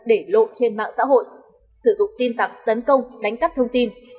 để lộ trên mạng xã hội sử dụng tin tặc tấn công đánh cắp thông tin